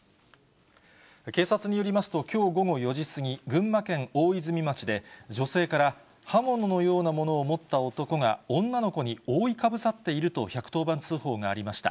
警察によりますと、きょう午後４時過ぎ、群馬県大泉町で、女性から刃物のようなものを持った男が女の子に覆いかぶさっていると１１０番通報がありました。